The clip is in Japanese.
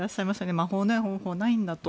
魔法のような方法はないんだと。